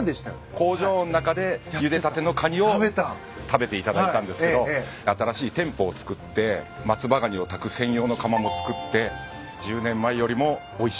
工場の中でゆでたてのカニを食べていただいたんですけど新しい店舗を造って松葉がにを炊く専用の釜も作って１０年前よりもおいしくなってる。